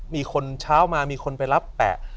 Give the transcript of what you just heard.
มีคนเช้ามามีคนไปรับแปะ